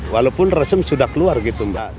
walaupun resem sudah keluar gitu mbak